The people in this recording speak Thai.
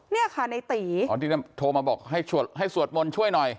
เนี่ยค่ะในตีอ๋อที่โทรมาบอกให้สวดมนต์ช่วยหน่อย